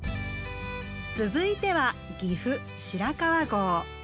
続いては岐阜白川郷。